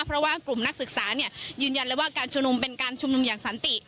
เพราะว่ากลุ่มนักศึกษายืนยันเลยว่าการชุมนุมเป็นการชุมนุมอย่างสันติ